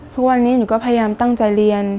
ทุกวันนี้หนูก็พยายามตั้งใจเรียน